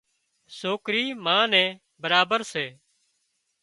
سوڪرِي ما نين برابر سي